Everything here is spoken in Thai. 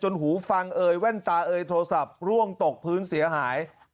หูฟังเอยแว่นตาเอยโทรศัพท์ร่วงตกพื้นเสียหาย